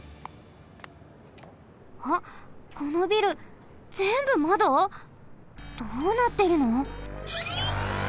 あっこのビルぜんぶまど！？どうなってるの？